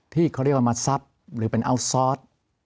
ที่เขาเรียกว่ามาซับหรือเป็นอัลซอส